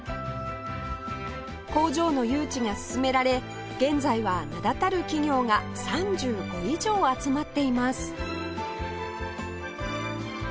工場の誘致が進められ現在は名だたる企業が３５以上集まっています